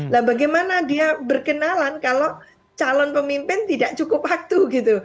nah bagaimana dia berkenalan kalau calon pemimpin tidak cukup waktu gitu